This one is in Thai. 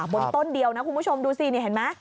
บนต้นเดียวนะคุณผู้ชมดูสินี่เห็นไหม